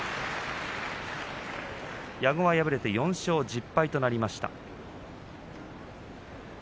矢後は敗れて４勝１０敗となりました。